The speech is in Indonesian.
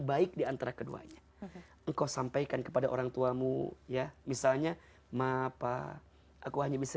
baik diantara keduanya engkau sampaikan kepada orangtuamu ya misalnya ma apa aku hanya bisa